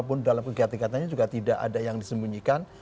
walaupun dalam kegiatan kegiatannya juga tidak ada yang disembunyikan